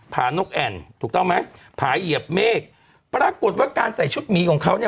ผ่านกแอ่นถูกต้องไหมผาเหยียบเมฆปรากฏว่าการใส่ชุดหมีของเขาเนี่ย